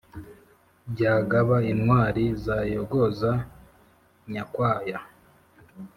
byagaba intwari zayogoza nyakwaya.